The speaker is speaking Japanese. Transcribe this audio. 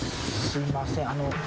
すいません